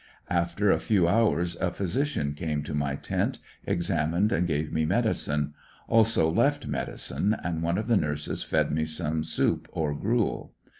After a few hours a physician came to my tent, examined and gave me medicine, also left medicine, and one of the nurses fed me some soup or gruel.